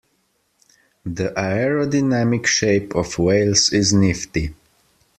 The aerodynamic shape of whales is nifty.